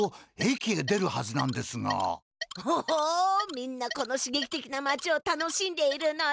みんなこのしげきてきな町を楽しんでいるのじゃ。